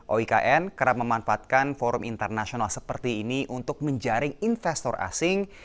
oikn kerap memanfaatkan forum internasional seperti ini untuk menjaring investor asing